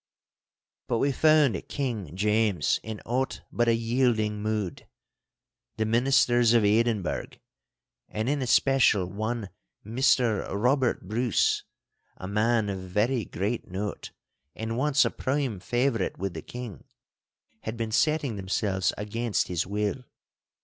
But we found King James in aught but a yielding mood. The ministers of Edinburgh, and in especial one, Mr Robert Bruce, a man of very great note, and once a prime favourite with the king, had been setting themselves against his will.